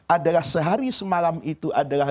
adalah sehari semalam itu adalah